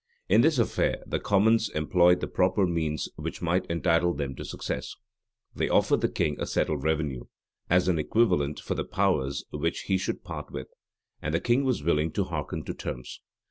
In this affair the commons employed the proper means which might entitle them to success: they offered the king a settled revenue, as an equivalent for the powers which he should part with; and the king was willing to hearken to terms.